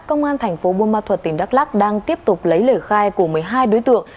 công an tp bumma thuật tỉnh đắk lắc đang tiếp tục lấy lời khai của một mươi hai đối tượng